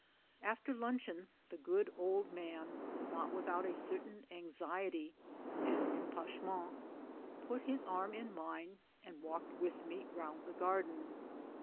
After luncheon the good old man, not without a certain anxiety and epanchement, put his arm in mine and walked with me round the garden.